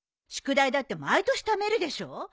宿題だって毎年ためるでしょ。